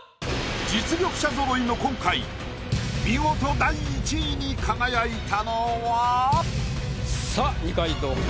実力者ぞろいの今回見事第１位に輝いたのは⁉さあ二階堂か？